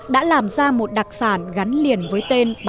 đã làm ra một cơ hội